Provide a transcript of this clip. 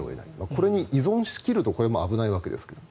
これに依存しきるとこれも危ないわけですが。